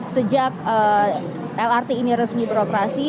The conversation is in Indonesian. sejak lrt ini resmi beroperasi